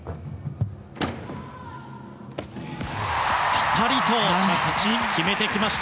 ピタリと着地を決めてきました！